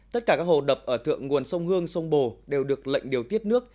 tất cả các hồ đập ở thượng nguồn sông hương sông bồ đều được lệnh điều tiết nước